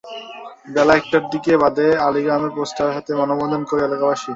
বেলা একটার দিকে বাদে আলী গ্রামে পোস্টার হাতে মানববন্ধন করে এলাকাবাসী।